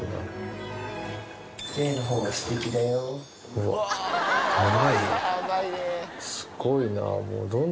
うわ甘い。